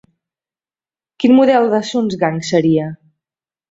Quin model de Sunsgang seria?